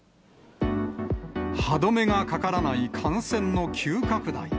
歯止めがかからない感染の急拡大。